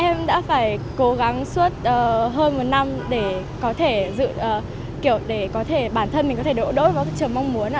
em đã phải cố gắng suốt hơn một năm để bản thân mình có thể đổ đỗ vào các trường mong muốn